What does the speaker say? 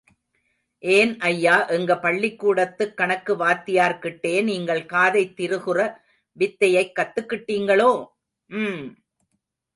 ஏன் ஐயா, எங்க பள்ளிக்கூடத்துக் கணக்கு வாத்தியார்கிட்டே நீங்க காதைத் திருகுற வித்தையைக் கத்துக்கிட்டிங்களோ?... ம்!.